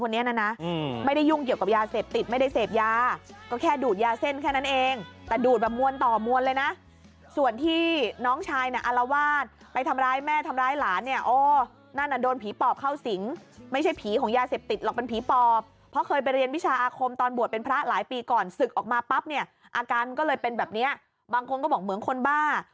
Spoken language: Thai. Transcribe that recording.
นะนะไม่ได้ยุ่งเกี่ยวกับยาเสพติดไม่ได้เสพยาก็แค่ดูดยาเส้นแค่นั้นเองแต่ดูดแบบมวลต่อมวลเลยนะส่วนที่น้องชายน่ะอารวาสไปทำร้ายแม่ทำร้ายหลานเนี่ยโอ้นั่นน่ะโดนผีปอบเข้าสิงไม่ใช่ผีของยาเสพติดหรอกเป็นผีปอบเพราะเคยไปเรียนวิชาอาคมตอนบวชเป็นพระหลายปีก่อนศึกออกมาปั๊บเนี่ยอาการก็เลยเป็นแบบเนี้ยบางคนก็บอกเหมือนคนบ้า